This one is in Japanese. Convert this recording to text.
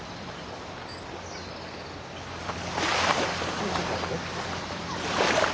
はいちょっと待って。